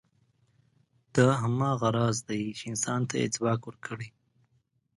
دا هماغه راز دی، چې انسان ته یې ځواک ورکړی.